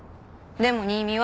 でも新見は。